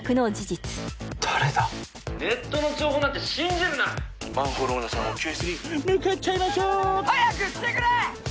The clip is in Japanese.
ネットの情報なんて信じるなマンホール女さんを救出に向かっちゃいましょう！早くしてくれ！